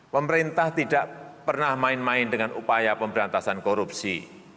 pemerintah tidak pernah main main dengan upaya pemberantasan korupsi